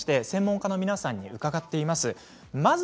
専門家の皆さんに伺っています。